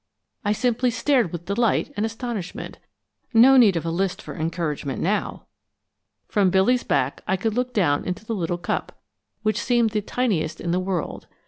I simply stared with delight and astonishment. No need of a list for encouragement now. From Billy's back I could look down into the little cup, which seemed the tiniest in the world.